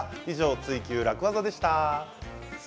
「ツイＱ楽ワザ」でした。